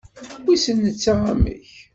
Wissen netta amek.